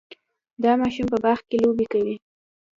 دا ماشوم په باغ کې لوبې کوي.